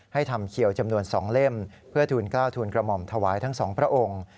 ทำเขียวจำนวน๒เล่มเพื่อทูลกล้าวทูลกระหม่อมถวายทั้งสองพระองค์